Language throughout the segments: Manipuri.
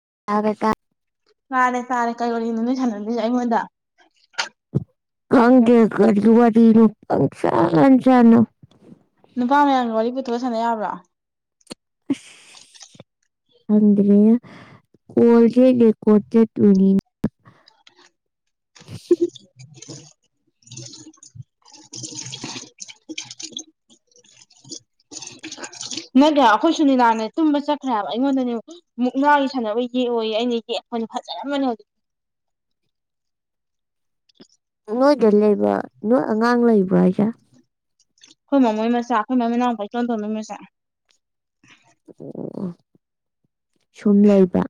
[unintelligible] ꯇꯥꯔꯦ ꯇꯥꯔꯦ ꯀꯩ ꯋꯥꯔꯤꯅꯣ ꯅꯣꯏꯅ ꯁꯥꯟꯅꯗꯣꯏꯁꯦ ꯑꯩꯉꯣꯟꯗ ꯈꯪꯗꯦ ꯀꯔꯤ ꯋꯥꯔꯤꯅꯣ ꯄꯪꯁꯥꯟ ꯁꯥꯅꯧ ꯅꯨꯄꯥ ꯃꯌꯥꯝꯒꯤ ꯋꯥꯔꯤ ꯄꯨꯊꯣꯛꯑ ꯁꯥꯟꯅ ꯌꯥꯕ꯭ꯔꯣ ꯏꯁ ꯈꯪꯗ꯭ꯔꯦꯍꯦ ꯀꯣꯜ [unintelligible] [unintelligible] [inaudible] ꯅꯠꯇꯦ ꯍꯥꯏꯕ ꯑꯩꯈꯣꯏ ꯁꯨꯅꯤꯂꯥꯅ ꯇꯨꯝꯕ ꯆꯠꯈ꯭ꯔꯦꯍꯥꯏꯕ ꯑꯩꯉꯣꯟꯗꯅꯦ ꯃꯨꯛꯅꯥꯒꯤ ꯁꯥꯟꯅꯒꯤ ꯌꯦꯛꯄꯣꯌꯦ ꯑꯩꯅ ꯌꯦꯛ [unintelligible] ꯐꯖꯔꯝꯃꯅꯤ ꯍꯧꯖꯤꯛ [inaudible] ꯅꯣꯏꯗ ꯂꯩꯕ ꯅꯣꯏ ꯑꯉꯥꯡ ꯂꯩꯕ꯭ꯔꯥ ꯍꯥꯏꯁꯦ ꯑꯈꯣꯏ ꯃꯃꯣ ꯃꯆꯥ ꯑꯈꯣꯏ ꯃꯥ ꯃꯅꯥꯎꯅꯨꯄꯥ ꯏꯇꯣꯟ ꯇꯣꯟꯕꯒꯤ ꯃꯆꯥ ꯑꯣ ꯁꯨꯝ ꯂꯩꯕ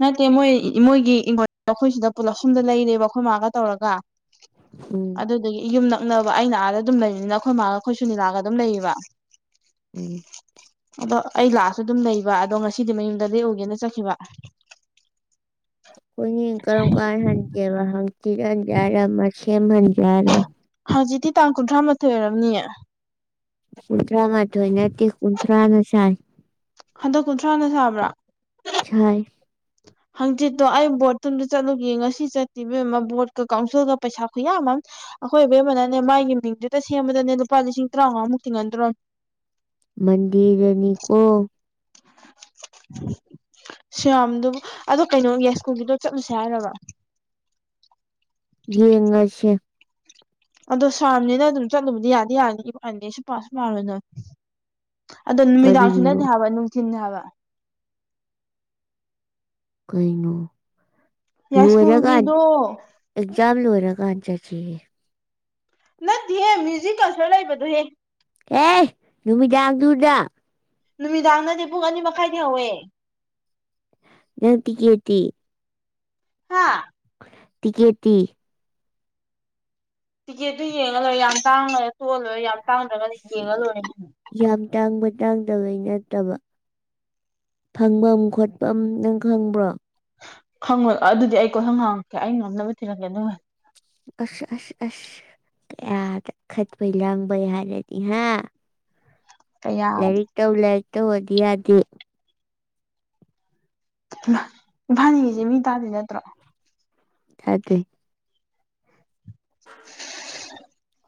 ꯅꯠꯇꯦ ꯃꯣꯏ ꯃꯣꯏꯒꯤ ꯏꯡꯈꯣꯜ ꯑꯩꯈꯣꯏꯁꯤꯗ ꯄꯨꯂꯞ ꯑꯁꯣꯝꯗ ꯂꯩꯔꯦꯕ ꯑꯈꯣꯏ ꯃꯥꯒ ꯇꯧꯔꯒ ꯎꯝ ꯑꯗꯨꯗꯨꯒꯤ ꯌꯨꯝꯅ ꯅꯛꯅꯕ ꯑꯩꯅ ꯑꯥꯗ ꯑꯗꯨꯝ ꯂꯩꯕꯅꯤꯅ ꯑꯈꯣꯏ ꯃꯥꯒ ꯑꯈꯣꯏ ꯁꯨꯅꯤꯂꯥꯒ ꯑꯗꯨꯝ ꯂꯩꯌꯦꯕ ꯎꯝ ꯑꯗꯣ ꯑꯩ ꯂꯥꯛꯑꯁꯨ ꯑꯗꯨꯝ ꯂꯩꯕ ꯑꯗꯣ ꯉꯁꯤꯗꯤ ꯃꯌꯨꯝꯗ ꯂꯦꯛꯎꯒꯧꯅ ꯆꯠꯈꯤꯕ ꯑꯈꯣꯏꯅꯤ ꯀꯔꯝ ꯀꯥꯟ ꯍꯟꯁꯦꯕ ꯄꯤꯛꯍꯟꯒꯦ ꯍꯥꯏꯔ ꯑꯃ ꯁꯦꯃꯍꯟꯒꯦ ꯍꯥꯏꯔ ꯍꯪꯆꯤꯛꯇꯤ ꯇꯥꯡ ꯀꯨꯟꯊ꯭ꯔꯥ ꯃꯥꯊꯣꯏ ꯑꯣꯏꯔꯝꯅꯤꯌꯦ ꯀꯨꯊ꯭ꯔꯥ ꯃꯥ ꯊꯣꯏ ꯅꯠꯇꯦ ꯀꯨꯟꯊ꯭ꯔꯥꯅ ꯁꯥꯏ ꯍꯟꯗꯛ ꯀꯨꯟꯊ꯭ꯔꯥꯅ ꯁꯥꯕ꯭ꯔꯥ ꯁꯥꯏ ꯍꯪꯆꯤꯠꯇꯣ ꯑꯩ ꯕꯣꯔꯠꯇ ꯑꯃꯨꯛꯇ ꯆꯠꯂꯨꯒꯦ ꯉꯁꯤ ꯆꯠꯇꯦ ꯏꯕꯦꯝꯃ ꯕꯣꯔꯠꯀ ꯀꯥꯎꯟꯁꯤꯜꯒ ꯄꯩꯁꯥ ꯈꯨꯌꯥꯃ ꯑꯈꯣꯏ ꯑꯕꯦꯝꯃꯅ ꯃꯥꯒꯤ ꯃꯤꯡꯗꯨꯇ ꯁꯦꯝꯕꯗꯅꯦ ꯂꯨꯄꯥ ꯂꯤꯁꯤꯡ ꯇꯔꯥꯃꯉꯥꯃꯨꯛ ꯇꯤꯡꯍꯟꯗꯣꯔꯕꯅꯤ [inaudible] ꯃꯟꯗꯦꯗꯅꯤꯀꯣ [inaudible] ꯁꯤꯌꯥꯝꯗꯨꯝ ꯑꯗꯣ ꯀꯩꯅꯣ ꯌꯥꯏꯁ꯭ꯀꯨꯜꯒꯤꯗꯣ ꯆꯠꯂꯨꯁꯦ ꯍꯥꯏꯔꯕ ꯌꯦꯡꯉꯁꯦ ꯑꯗꯣ ꯁꯥꯕꯅꯤꯅ ꯑꯗꯨꯝ ꯆꯠꯂꯨꯕꯗꯤ ꯌꯥꯗꯤ ꯌꯥꯏ [unintelligible] ꯑꯗꯣ ꯅꯨꯃꯤꯗꯥꯡꯁꯨ ꯀꯔꯤꯅꯣ ꯅꯠꯇꯦ ꯍꯥꯏꯕ ꯅꯨꯡꯊꯤꯟꯅꯦ ꯍꯥꯏꯕ ꯀꯩꯅꯣ ꯂꯣꯏꯔꯒꯥꯟ ꯌꯥꯏꯁ꯭ꯀꯨꯜꯒꯤꯗꯣ ꯑꯦꯛꯖꯥꯝ ꯂꯣꯏꯔꯀꯥꯟ ꯆꯠꯁꯤꯍꯦ ꯅꯠꯇꯦꯍꯦ ꯃ꯭ꯌꯨꯖꯤꯛ ꯀꯟꯁ꯭ꯔꯠ ꯂꯩꯕꯗꯣꯍꯦ ꯑꯦ ꯅꯨꯃꯤꯗꯥꯡꯗꯨꯗ ꯅꯨꯃꯤꯗꯥꯡꯗꯗꯤ ꯄꯨꯡ ꯑꯅꯤ ꯃꯈꯥꯏꯗꯩ ꯍꯧꯋꯦ ꯅꯪ ꯇꯤꯀꯦꯠꯇꯤ ꯍꯥꯥ ꯇꯤꯀꯦꯠꯇꯤ ꯇꯤꯛꯀꯦꯠꯇꯨ ꯌꯦꯡꯉ ꯂꯣꯏꯔꯦ ꯌꯥꯝ ꯇꯥꯡꯉꯒ ꯇꯣꯛꯑ ꯂꯣꯏꯔꯦ ꯌꯥꯝ ꯇꯥꯡꯗ꯭ꯔꯒꯅ ꯌꯦꯡꯉ ꯂꯣꯏꯔꯦ ꯌꯥꯝ ꯇꯥꯡꯕ ꯇꯥꯡꯗꯕꯩ ꯅꯠꯇꯕ ꯐꯪꯚꯝ ꯈꯣꯠꯐꯝ ꯅꯪ ꯈꯪꯕ꯭ꯔꯣ ꯈꯪꯉꯣꯏ ꯑꯗꯨꯗꯤ ꯑꯩ ꯀꯣꯏꯍꯪ ꯍꯪꯉꯛꯀꯦ ꯑꯩ ꯉꯝꯅꯕ ꯊꯤꯔꯛꯀꯦ ꯑꯗꯨ ꯑꯁ ꯑꯁ ꯑꯁ ꯀꯌꯥꯗ ꯈꯠꯄꯩ ꯂꯥꯡꯕꯩ ꯍꯥꯏꯔꯗꯤ ꯍꯥ ꯀꯌꯥꯗ ꯂꯥꯏꯔꯤꯛ ꯇꯧ ꯂꯥꯏꯔꯤꯛ ꯇꯧꯋꯣꯗꯤ ꯌꯥꯗꯦ ꯍꯩꯃ ꯏꯕꯥꯏꯅꯤꯁꯦ ꯃꯤ ꯇꯥꯗꯨꯏ ꯅꯠꯇ꯭ꯔꯣ ꯇꯗꯣꯏꯅꯣ [inaudible]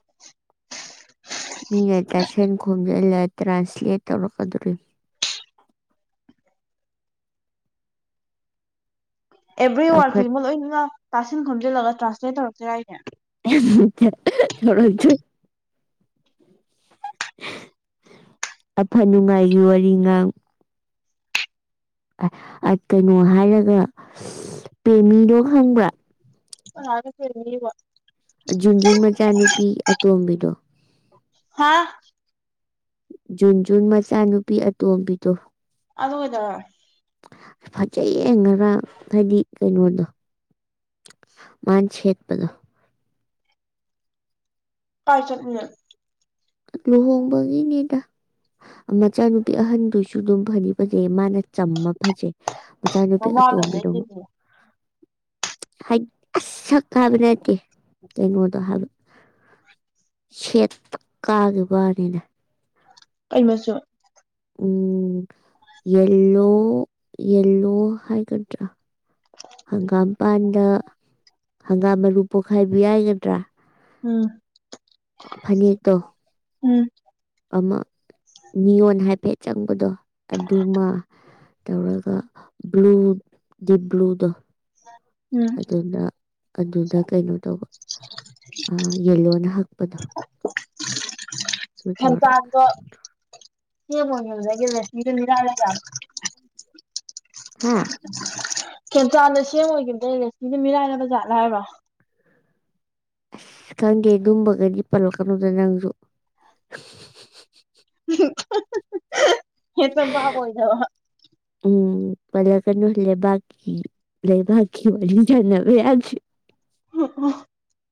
ꯃꯤꯅ ꯇꯥꯁꯦꯤꯟ ꯈꯣꯝꯖꯤꯜꯂ ꯇ꯭ꯔꯥꯟꯁꯂꯦꯠ ꯇꯧꯔꯛꯀꯗꯧꯔꯤꯝ ꯑꯦꯚ꯭ꯔꯤ ꯋꯥꯔꯗ ꯆꯥꯎꯈꯠ ꯈꯨꯗꯤꯡꯃꯛ ꯂꯣꯏꯅꯃꯛ ꯇꯥꯁꯤꯟ ꯈꯣꯝꯖꯤꯜꯂꯒ ꯇ꯭ꯔꯥꯟꯁꯂꯦꯠ ꯇꯧꯔꯛꯇꯨꯏꯔ ꯍꯏꯁꯦ ꯇꯧꯔꯛꯇꯨꯏ ꯑꯐ ꯅꯨꯡꯉꯥꯏꯒꯤ ꯋꯥꯔꯤ ꯉꯥꯡꯉꯨ ꯑꯥ ꯀꯩꯅꯣ ꯍꯥꯏꯔꯒ ꯄꯦꯃꯤꯗꯣ ꯈꯪꯕ꯭ꯔꯥ ꯀꯅꯥꯅꯣ ꯄꯦꯃꯤꯕꯣ ꯖꯨꯟꯖꯨꯟ ꯃꯆꯥꯅꯨꯄꯤ ꯑꯇꯣꯝꯕꯤꯗꯣ ꯍꯥꯥ ꯖꯨꯟꯖꯨꯟ ꯃꯆꯥꯅꯨꯄꯤ ꯑꯇꯣꯝꯕꯤꯗꯣ ꯑꯗꯨ ꯀꯩꯗꯧꯔꯦ ꯐꯖꯩꯌꯦ ꯉꯔꯥꯡ ꯍꯥꯏꯗꯤ ꯀꯩꯅꯣꯗꯣ ꯃꯥꯟ ꯁꯦꯠꯄꯗꯣ ꯀꯥꯏ ꯆꯠꯂꯨꯏꯅꯣ ꯂꯨꯍꯣꯡꯕꯒꯤꯅꯤꯗ ꯃꯆꯥꯅꯨꯄꯤ ꯑꯍꯟꯗꯨꯁꯨ ꯗꯨꯝ ꯐꯗꯤ ꯐꯖꯩ ꯃꯥꯅ ꯆꯝꯃ ꯐꯖꯩ ꯃꯆꯥꯅꯨꯄꯤ ꯃꯃꯥ ꯑꯇꯣꯝꯕꯤꯗꯣ ꯐꯖꯩꯗꯨꯗꯤ ꯍꯥꯏꯠ ꯑꯁ ꯁꯛ ꯍꯥꯏꯕ ꯅꯠꯇꯦ ꯀꯩꯅꯣꯗ ꯍꯥꯏꯕ ꯁꯦꯠ ꯐꯛꯀꯥꯒꯤꯕꯋꯥꯅꯤꯗ ꯀꯩꯃꯆꯨ ꯎꯝ ꯌꯦꯜꯂꯣ ꯌꯦꯜꯂꯣ ꯍꯥꯏꯒꯗ꯭ꯔ ꯍꯪꯒꯥꯝꯄꯥꯟꯗ ꯍꯪꯒꯥꯝ ꯃꯔꯨ ꯄꯣꯛꯈꯥꯏꯕ ꯍꯥꯏꯒꯗ꯭ꯔꯥ ꯎꯝ ꯐꯅꯦꯛꯇꯣ ꯎꯝ ꯑꯃ ꯅꯤꯌꯣꯟ ꯍꯥꯏꯐꯦꯠ ꯆꯪꯕꯗꯣ ꯑꯗꯨꯃ ꯇꯧꯔꯒ ꯕ꯭ꯂꯨ ꯗꯤꯞ ꯕ꯭ꯂꯨꯗꯣ ꯎꯝ ꯑꯗꯨꯅ ꯑꯗꯨꯗ ꯀꯩꯅꯣ ꯇꯧꯕ ꯑꯥ ꯌꯦꯜꯂꯣꯅ ꯍꯛꯄꯗꯣ ꯑꯗꯨ ꯇꯧꯔ ꯈꯦꯝꯆꯥꯟꯗꯣ ꯁꯤ ꯑꯦꯝ ꯑꯣꯏꯒꯤꯕꯗꯩ ꯔꯦꯁꯃꯤꯗꯣ ꯃꯤꯔꯥꯏꯔꯖꯥꯠꯂꯣ ꯍꯥꯥ ꯈꯦꯟꯆꯥꯟꯗꯣ ꯁꯤ ꯑꯦꯝ ꯑꯣꯏꯈꯤꯕꯗꯩ ꯔꯦꯁꯃꯤꯗꯨ ꯃꯤꯔꯥꯏꯔ ꯖꯥꯠꯂ ꯍꯥꯏꯕ ꯑꯁ ꯈꯪꯗꯦ ꯗꯨꯝꯕꯒꯗꯤ ꯄꯜꯂꯛ ꯀꯅꯨꯗ ꯅꯪꯁꯨ ꯍꯝꯑꯞ ꯍꯦꯛꯇ ꯕꯥꯞ ꯑꯣꯏꯗꯕ ꯎꯝ ꯄꯜꯂꯛꯀꯅꯨ ꯂꯩꯕꯥꯛꯀꯤ ꯂꯩꯕꯥꯛꯀꯤ ꯋꯥꯔꯤ ꯁꯣꯟꯅꯕ ꯌꯗꯦ [inaudible]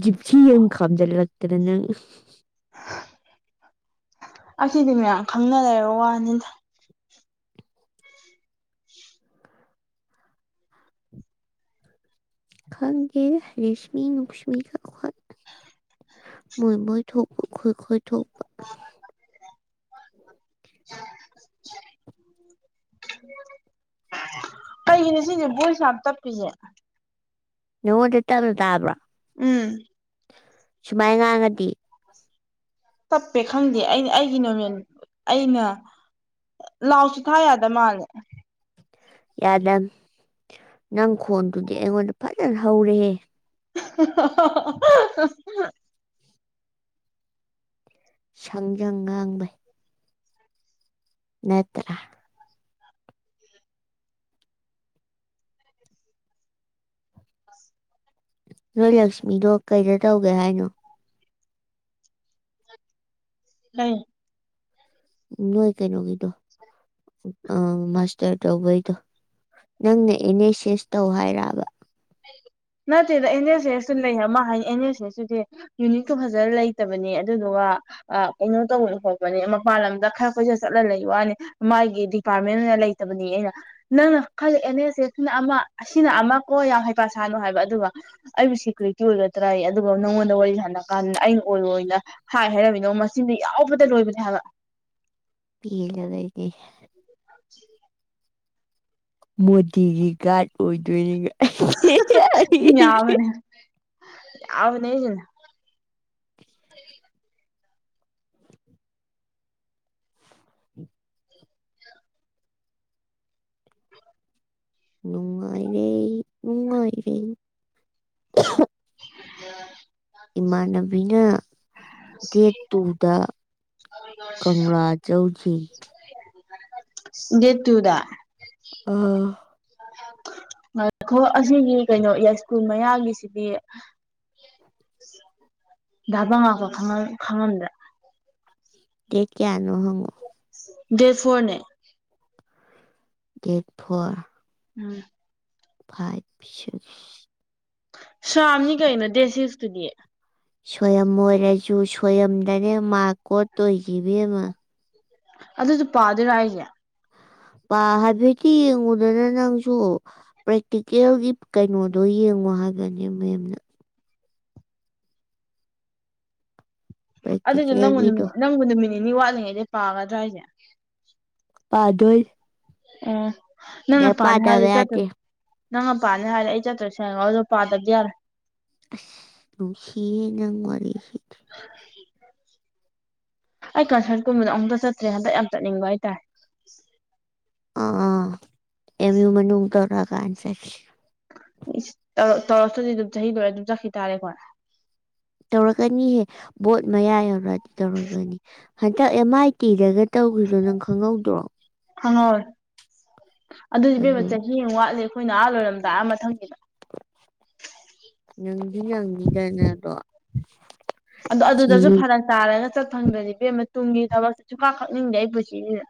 ꯖꯤꯞꯁꯤ ꯑꯃ ꯈꯥꯝꯖꯜ ꯂꯛꯇꯗ ꯅꯪ ꯑꯁꯤꯗꯤꯅꯦ ꯈꯪꯅ ꯂꯩꯔ ꯋꯥꯅꯤꯗ ꯈꯪꯗꯦ ꯔꯦꯁꯃꯤ ꯅꯨꯡꯁꯤꯕꯤꯒ ꯑꯈꯣꯢ ꯃꯣꯏ ꯃꯣꯏ ꯊꯣꯛꯄ ꯈꯣꯏꯈꯣꯏ ꯊꯣꯛꯄ ꯀꯩꯒꯤꯅꯦ ꯁꯤꯁꯦ ꯕꯣꯏꯁ ꯌꯥꯝ ꯇꯞꯄꯤꯁꯦ ꯅꯪꯉꯣꯡꯗ ꯇꯞꯅ ꯇꯥꯕꯔꯣ ꯎꯝ ꯁꯨꯃꯥꯏ ꯉꯥꯡ ꯉꯗꯤ ꯇꯞꯄꯦ ꯈꯪꯗꯦ ꯑꯩꯅ ꯑꯩꯒꯤ ꯅꯣꯔꯃꯦꯟ ꯑꯩꯅ ꯂꯥꯎꯗꯁꯨ ꯊꯥ ꯌꯥꯗ ꯃꯥꯜꯂꯦ ꯌꯥꯗꯝ ꯅꯪ ꯈꯣꯟꯗꯨꯗꯤ ꯑꯩꯉꯣꯟꯗ ꯐꯖꯟ ꯍꯧꯔꯦꯍꯦ [unintelligible] ꯁꯪꯁꯪ ꯉꯥꯡꯕꯩ ꯅꯠꯇ꯭ꯔ ꯅꯣꯏ ꯂꯛꯁꯃꯤꯗꯣ ꯀꯩꯗ ꯇꯧꯒꯦ ꯍꯥꯏꯅꯣ ꯑꯩ ꯎ ꯅꯣꯏ ꯀꯩꯅꯣꯒꯤꯗꯣ ꯑ ꯃꯥꯁꯇꯔ ꯇꯧꯕꯩꯗꯣ ꯅꯪꯅ ꯑꯦꯅꯦꯁꯦꯁ ꯇꯧ ꯍꯥꯏꯔꯕ ꯅꯠꯇꯦꯗ ꯑꯦꯟꯅꯦ ꯑꯦꯁꯇꯣ ꯂꯩ ꯍꯥꯏ ꯃꯥ ꯍꯥꯏꯅꯦ ꯑꯦꯟꯅꯦ ꯑꯦꯁꯇꯨꯗꯤ ꯌꯨꯅꯤꯠꯇꯣ ꯐꯖꯟ ꯂꯩꯇꯕꯅꯦ ꯑꯗꯨꯗꯨꯒ ꯑ ꯀꯩꯅꯣ ꯇꯧꯕꯅꯦ ꯈꯣꯠꯄꯅꯦ ꯃꯄꯥꯟ ꯂꯝꯗ ꯈꯔ ꯀꯣꯏꯆꯠ ꯆꯠꯂ ꯂꯩꯕꯋꯥꯅꯦ ꯃꯥꯒꯤ ꯗꯤꯄꯥꯔꯠꯃꯦꯟ ꯅ ꯂꯩꯇꯕꯅꯤ ꯑꯩꯅ ꯅꯪꯅ ꯈꯜꯂꯤ ꯑꯦꯅꯦꯑꯦꯁꯇꯨꯅ ꯑꯃ ꯑꯁꯤꯅ ꯑꯃ ꯀꯣ ꯌꯥꯝ ꯍꯩ ꯄꯥ ꯁꯥꯟꯅꯨ ꯍꯥꯏꯕ ꯑꯗꯨꯒ ꯑꯩꯕꯨ ꯁꯦꯀ꯭ꯌꯨꯔꯤꯇꯤ ꯑꯣꯏꯒꯗ꯭ꯔꯌꯦ ꯑꯗꯨꯒ ꯅꯪꯉꯣꯟꯗ ꯋꯥꯔꯤ ꯁꯥꯟꯅꯔ ꯀꯥꯟꯗ ꯑꯩꯅ ꯑꯣꯏꯔꯣꯏꯅ ꯍꯥꯏ ꯍꯥꯏꯔꯝꯃꯤꯗꯣ ꯃꯆꯤꯟꯗꯣ ꯌꯥꯎꯕꯗ ꯂꯣꯏꯕꯅꯦ ꯍꯥꯏꯕ ꯄꯦꯜꯂꯗ ꯑꯩꯗꯤ [unintelligible] ꯃꯣꯗꯤꯒꯤ ꯒꯥꯔꯗ ꯑꯣꯏꯗꯣꯏꯅꯤ [unintelligible] ꯌꯥꯕꯅꯦ ꯌꯥꯕꯅꯦ ꯑꯩꯁꯤꯅꯦ [inaudible] ꯅꯨꯡꯉꯥꯏꯔꯦ ꯅꯨꯡꯉꯥꯏꯔꯦ [unintelligible] ꯏꯃꯥꯟꯅꯕꯤꯅ ꯗꯦꯠ ꯇꯨꯗ ꯀꯪꯂꯥ ꯆꯧꯁꯦꯌꯦ ꯑꯁ ꯗꯦꯠ ꯇꯨꯗ ꯑꯥ ꯉꯥꯢꯈꯣ ꯑꯁꯤꯒꯤ ꯀꯩꯅꯣ ꯌꯥꯏꯁꯀꯨꯜ ꯃꯌꯥꯒꯤꯁꯤꯗꯤ ꯙꯥꯕ ꯉꯥꯛꯄ ꯈꯪꯉ ꯈꯪꯉꯝꯗ ꯗꯦꯠ ꯀ꯭ꯌꯥꯅꯣ ꯍꯪꯉꯣ ꯗꯦꯠ ꯐꯣꯔꯅꯦ date four um five six ꯁꯥꯡꯉꯤ ꯀꯩꯅꯣ ꯗꯦꯠ ꯁꯤꯛꯁꯇꯨꯗꯤ ꯁꯣꯏꯌꯝ ꯑꯣꯏꯔꯁꯨꯨ ꯁꯣꯏꯌꯝꯗꯅꯦ ꯃꯥꯔꯛ ꯀꯣꯠꯇꯣꯏꯁꯦ ꯏꯕꯦꯝꯃ ꯑꯗꯨꯁꯨ ꯄꯗꯨꯔꯥ ꯍꯥꯏꯁꯦ ꯄ ꯍꯥꯏꯐꯦꯠꯇꯤ ꯌꯦꯡꯉꯨꯗꯅ ꯅꯪꯁꯨ ꯄ꯭ꯔꯦꯛꯇꯤꯀꯦꯜꯒꯤ ꯀꯩꯅꯣꯗꯣ ꯌꯦꯡꯉꯨ ꯋꯥ ꯍꯥꯏꯒꯅꯤ ꯃꯦꯝꯅ ꯑꯗꯨꯏꯁꯨ ꯅꯪꯕꯨ ꯄ꯭ꯔꯦꯛꯇꯤꯀꯦꯜꯒꯤꯗꯣ ꯅꯨꯃꯤꯠ ꯅꯪꯕꯨ ꯅꯨꯃꯤꯠ ꯅꯤꯅꯤ ꯋꯥꯠꯂꯤꯉꯩꯗꯩ ꯄꯒꯗ꯭ꯔ ꯍꯥꯏꯁꯦ ꯄꯥꯗꯣꯏ ꯎꯝ ꯅꯪꯅ ꯂꯥꯏꯔꯤꯛ ꯄꯥꯅꯤ ꯄꯥꯗꯕ ꯍꯥꯏꯗꯤ ꯆꯠꯇꯨ ꯌꯥꯗꯦ ꯅꯪꯅ ꯄꯥꯅꯤ ꯍꯥꯏꯔ ꯑꯩ ꯆꯠꯇ꯭ꯔꯁꯨ ꯌꯥꯏꯀꯣ ꯑꯗꯣ ꯄꯥꯗꯕꯗꯤ ꯌꯥꯔꯣꯏ ꯑꯁ ꯅꯨꯡꯁꯤꯍꯦ ꯅꯪ ꯋꯥꯔꯤꯁꯤ [unintelligible] [inaudible] ꯑꯩ ꯀꯟꯁꯔꯠ ꯀꯨꯝꯕꯗ ꯑꯃꯨꯛꯇ ꯆꯠꯇ꯭ꯔꯤ ꯍꯟꯗꯛ ꯌꯥꯝ ꯆꯠꯅꯤꯡꯕ ꯍꯥꯏꯇꯥꯏ ꯑꯥ ꯑ ꯑꯦꯝ ꯌꯨ ꯃꯅꯨꯡ ꯇꯧꯔꯛꯑꯀꯥꯟ ꯆꯠꯁꯤ ꯇꯧꯔꯛꯇ꯭ꯔꯗꯤ ꯑꯗꯨꯝ ꯆꯍꯤ ꯂꯣꯏꯔ ꯑꯗꯨꯝ ꯆꯠꯈꯤ ꯇꯥꯔꯦ ꯑꯈꯣꯏ ꯇꯧꯔꯛꯀꯅꯤꯍꯦ ꯚꯣꯠ ꯃꯌꯥ ꯌꯧꯔꯛꯑꯗꯤ ꯇꯧꯔꯛꯀꯅꯤ ꯍꯟꯗꯛ ꯑꯦꯝ ꯑꯥꯏ ꯇꯤꯗꯒ ꯇꯧ ꯒꯤꯗꯣ ꯅꯪ ꯈꯪꯍꯧꯗ꯭ꯔꯣ ꯈꯪꯍꯧꯋꯦ ꯑꯗꯨꯗꯤ ꯏꯕꯦꯝꯃ ꯑꯗꯨ ꯆꯍꯤ ꯑꯃ ꯋꯥꯠꯂꯦ ꯑꯩꯈꯣꯏꯅ ꯑꯍꯥ ꯂꯣꯏꯔꯝꯗꯥꯏ ꯑ ꯃꯊꯪꯒꯤꯗ ꯅꯪꯗꯤ ꯅꯪꯅꯤꯗꯅ ꯑꯗꯣ ꯑꯗꯨ ꯑꯗꯨꯗꯁꯨ ꯐꯔꯛ ꯇꯥꯔꯒ ꯆꯠ ꯐꯪꯗ꯭ꯔꯗꯤ ꯏꯕꯦꯝꯃ ꯇꯨꯡꯒꯤ ꯊꯕꯛ ꯁꯨꯨꯡꯈꯛ ꯈꯛꯅꯤꯡꯗꯦ ꯑꯩ ꯄꯨꯟꯁꯤꯁꯤꯗ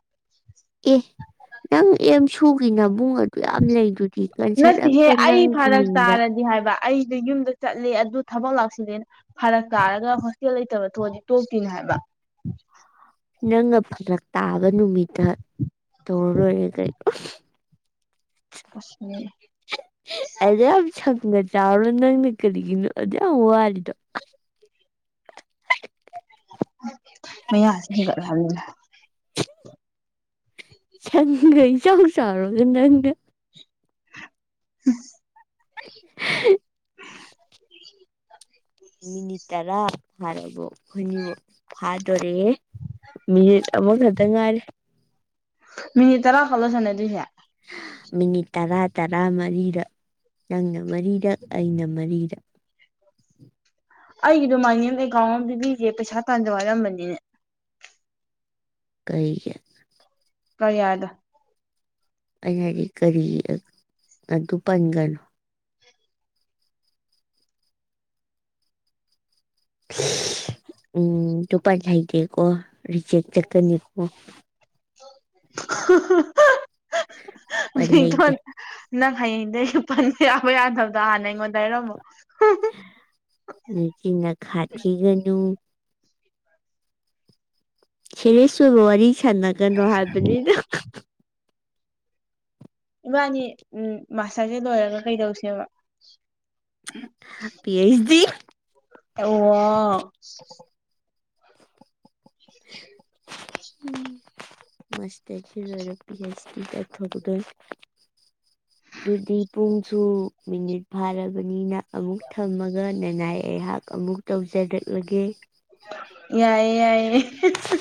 ꯑꯦ ꯅꯪ ꯑꯦꯝ ꯁꯨꯒꯤ ꯅꯥꯕꯨꯡ ꯌꯥꯝ ꯂꯩꯗꯨꯗꯤ ꯀꯟꯁꯔ ꯑꯝꯇ ꯅꯪꯒꯤ ꯃꯤꯡꯗ ꯑꯩꯗ ꯌꯨꯝꯗ ꯆꯠꯂꯦ ꯑꯗꯨ ꯊꯕꯛ ꯂꯥꯛꯁꯤꯜꯂꯦꯅ ꯐꯔꯛ ꯇꯥꯔꯒ ꯍꯣꯁꯇꯦꯜ ꯂꯩꯇꯕ ꯊꯣꯛꯑꯗꯤ ꯇꯣꯛꯇꯦꯅ ꯍꯥꯏꯕ [inaudible] ꯅꯪꯅ ꯐꯂꯛ ꯇꯥꯕ ꯅꯨꯃꯤꯠꯇ ꯇꯧꯔꯔꯣꯏꯔꯦ ꯀꯩꯅꯣ ꯑꯁ ꯑꯗꯨꯌꯥꯝ ꯁꯝꯒ ꯆꯥꯎꯅ ꯅꯪꯗꯤ ꯀꯔꯤꯒꯤꯅꯣ ꯑꯗꯨꯌꯥꯝ ꯋꯥꯔꯤꯗꯣ ꯃ ꯌꯥꯁꯦ ꯍꯤꯒꯠꯂꯦ ꯍꯥꯏꯕꯅꯤꯗ ꯁꯪꯒ ꯏꯆꯥꯎ ꯆꯥꯎꯔꯕ ꯅꯪꯅ [unintelligible] ꯃꯤꯅꯤꯠ ꯇꯔꯥ ꯐꯥꯔꯦꯕꯣ ꯈꯣꯏꯅꯤꯃꯛ ꯐꯥꯗꯣꯔꯦ ꯃꯤꯅꯤꯠ ꯑꯃꯈꯛꯇ ꯉꯥꯏꯔꯦ ꯃꯤꯅꯤꯠ ꯇꯔꯥ ꯐꯥꯎꯂꯣ ꯁꯥꯅꯗꯨꯏꯁꯦ ꯃꯤꯅꯤꯠ ꯇꯔꯥ ꯇꯔꯥ ꯃꯔꯤꯔꯛ ꯅꯪꯅ ꯃꯔꯤꯔꯛ ꯑꯩꯅ ꯃꯔꯤꯔꯛ ꯑꯩꯒꯤꯗꯣ ꯃꯥꯏꯅꯦꯝ ꯑꯦꯀꯥꯎꯟ ꯑꯃ ꯄꯤꯕꯤꯒꯦ ꯄꯩꯁꯥ ꯇꯥꯟꯖꯧ ꯍꯥꯏꯔꯝꯕꯅꯤꯅꯦ ꯀꯔꯤꯒꯤ ꯀꯥꯔꯤꯌꯥꯗ ꯑꯩꯅ ꯍꯥꯏꯗꯤ ꯀꯔꯤ ꯑꯗꯨ ꯄꯟꯒꯅꯣ ꯎꯝ ꯇꯨꯄꯔ ꯍꯩꯇꯦꯀꯣ ꯔꯤꯖꯦꯛ ꯆꯠꯀꯅꯤꯀꯣ ꯍꯥ ꯍꯥ ꯍꯥ ꯄꯜ ꯍꯩꯇꯦ ꯃꯤꯊꯣꯟ ꯅꯪ ꯍꯌꯦꯡꯗꯩ ꯄꯟꯕ ꯌꯥꯕ ꯌꯥꯗꯕꯗꯣ ꯍꯥꯟꯅ ꯑꯩꯉꯣꯟꯗ ꯍꯥꯏꯔꯝꯃꯣ ꯅꯆꯤꯟ ꯅꯈꯥꯊꯤꯒꯅꯨ ꯁꯦꯔꯦꯁ ꯑꯣꯏꯕ ꯋꯥꯔꯤ ꯁꯥꯟꯅꯒꯅꯣ ꯍꯥꯏꯕꯅꯤꯗ ꯏꯕꯥꯅꯤ ꯎꯝ ꯃꯥꯁꯇꯔꯁꯦ ꯂꯣꯏꯔꯒ ꯀꯩꯗꯧꯁꯦꯕ ꯄꯤ ꯑꯩꯆ ꯗꯤ ꯑꯣ [inaudible] ꯎꯝ ꯃꯁꯇꯔ ꯁꯦ ꯂꯣꯏꯔ ꯄꯤꯁ ꯑꯩꯆ ꯗꯤ ꯇꯧꯊꯣꯛꯀꯗꯣꯏ ꯗꯨꯗꯤꯄꯨꯡ ꯁꯨ ꯃꯤꯅꯤꯠ ꯐꯥꯔꯕꯅꯤꯅ ꯑꯃꯨꯛ ꯊꯝꯃꯒ ꯅꯅꯥꯏ ꯑꯩꯍꯥꯛ ꯑꯃꯨꯛ ꯇꯧꯖꯔꯛ ꯂꯒꯦ ꯌꯥꯢꯌꯦ ꯌꯥꯏꯌꯦ ꯍꯦ ꯍꯦ